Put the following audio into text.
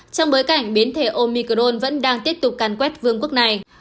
trong bối cảnh biến thể omicron vẫn đang tiếp tục càn quét vương quốc này